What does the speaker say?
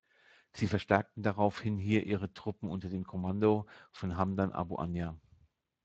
Sie verstärkten daraufhin hier ihre Truppen unter dem Kommando von Hamdan abu Anja.